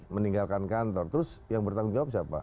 meninggalkan kantor terus yang bertanggung jawab siapa